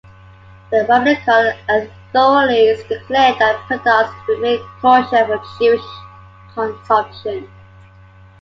The rabbinical authorities declared that the products remained kosher for Jewish consumption.